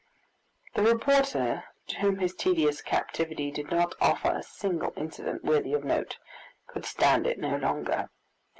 The reporter, to whom his tedious captivity did not offer a single incident worthy of note, could stand it no longer.